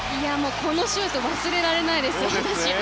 このシュート忘れられないです、私。